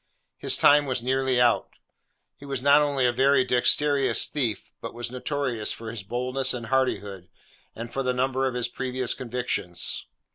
His time was nearly out. He was not only a very dexterous thief, but was notorious for his boldness and hardihood, and for the number of his previous convictions.